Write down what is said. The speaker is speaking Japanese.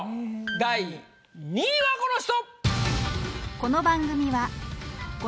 第２位はこの人！